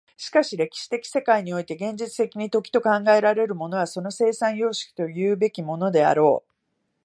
しかし歴史的世界において現実的に時と考えられるものはその生産様式というべきものであろう。